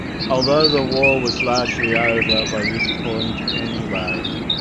Although the war was largely over by this point anyway.